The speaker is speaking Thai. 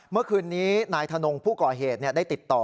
เมื่อคืนนี้นายธนงผู้ก่อเหตุได้ติดต่อ